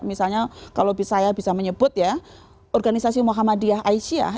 misalnya kalau saya bisa menyebut ya organisasi muhammadiyah aisyah